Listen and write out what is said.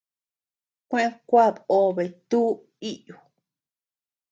Kueʼëd kúad obe tú iʼyu.